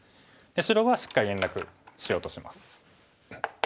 白はしっかり連絡しようとします。